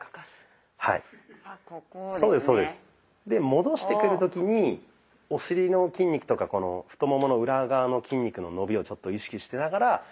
で戻してくる時にお尻の筋肉とかこの太ももの裏側の筋肉の伸びを意識しながら。